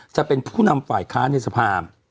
จะเป็นผู้นำฝ่ายค้านในสภา